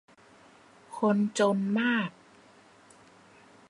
คนจนมาก